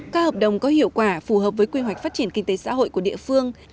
các hợp đồng có hiệu quả phù hợp với quy hoạch phát triển kinh tế xã hội của địa phương